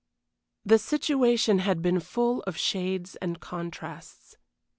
The situation had been full of shades and contrasts.